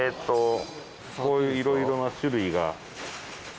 こういういろいろな種類が。